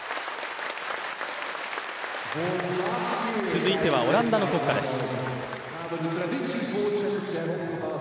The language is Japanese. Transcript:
続いてはオランダの国歌です。